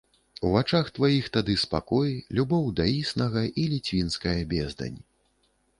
У вачах тваіх тады спакой, любоў да існага і ліцвінская бездань.